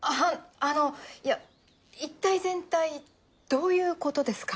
あのいやいったい全体どういうことですか？